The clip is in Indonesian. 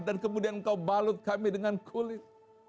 dan kemudian engkau balut kami dengan kulit